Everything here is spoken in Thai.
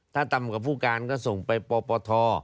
ถ้าตำกับผู้การก็ส่งไปปอปอท